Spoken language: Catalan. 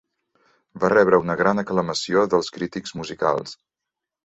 Va rebre una gran aclamació dels crítics musicals.